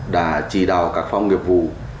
đã chỉ đào các phòng nghiệp vụ